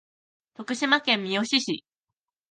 徳島県三好市